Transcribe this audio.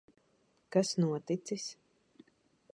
Kas noticis?